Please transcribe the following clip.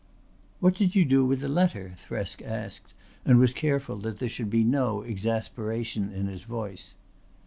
"What did you do with the letter?" Thresk asked and was careful that there should be no exasperation in his voice.